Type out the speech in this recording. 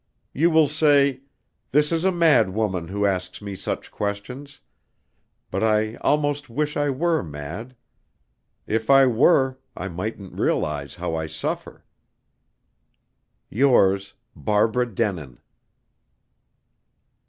You will say, 'This is a mad woman who asks me such questions.' But I almost wish I were mad. If I were, I mightn't realize how I suffer. Yours Barbara Denin."